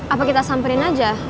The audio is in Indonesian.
apa kita samperin aja